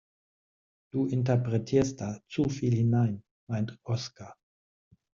Du interpretierst da zu viel hinein, meint Oskar.